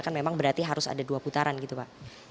kan memang berarti harus ada dua putaran gitu pak